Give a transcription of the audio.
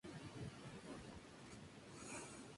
Nunca había escuchado algo parecido".